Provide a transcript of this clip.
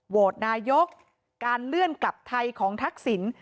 โหวตนายกการเลื่อนกลับไทยของทักษิณ